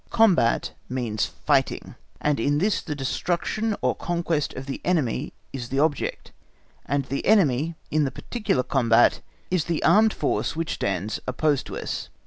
Combat means fighting, and in this the destruction or conquest of the enemy is the object, and the enemy, in the particular combat, is the armed force which stands opposed to us.